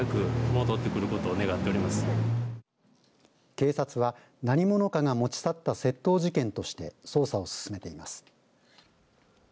警察は何者かが持ち去った窃盗事件として捜査を進めています。